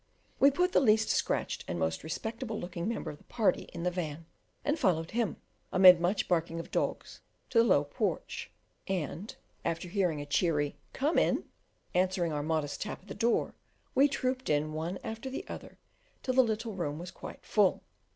We put the least scratched and most respectable looking member of the party in the van, and followed him, amid much barking of dogs, to the low porch; and after hearing a cheery "Come in," answering our modest tap at the door, we trooped in one after the other till the little room was quite full.